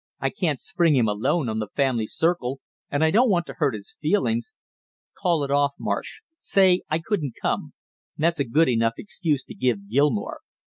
I can't spring him alone on the family circle, and I don't want to hurt his feelings!" "Call it off, Marsh; say I couldn't come; that's a good enough excuse to give Gilmore.